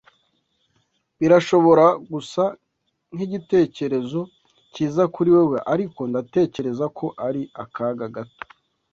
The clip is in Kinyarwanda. Birashobora gusa nkigitekerezo cyiza kuri wewe, ariko ndatekereza ko ari akaga gato